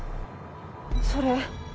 それ。